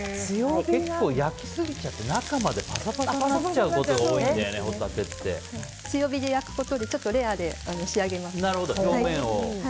結構焼きすぎちゃって中までパサパサになっちゃうことが強火で焼くことでちょっとレアで仕上げます。